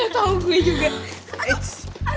gak tau gue juga